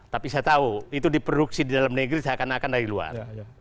tapi saya tahu itu diproduksi di dalam negeri seakan akan dari luar